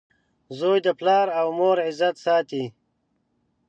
• زوی د پلار او مور عزت ساتي.